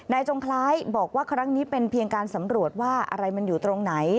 จงคล้ายบอกว่าครั้งนี้เป็นเพียงการสำรวจว่าอะไรมันอยู่ตรงไหน